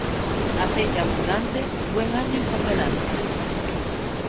Aceite abundante, buen año por delante.